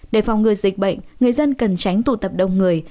để phòng ngừa dịch bệnh người dân cần tránh tụ tập đông người